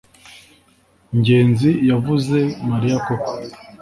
ngenzi yavuze mariya koko